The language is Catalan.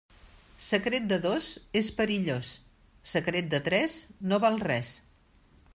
Secret de dos, és perillós; secret de tres, no val res.